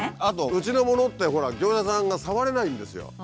あとうちのものってほら業者さんが触れないんですよ。